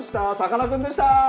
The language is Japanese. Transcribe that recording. さかなクンでした。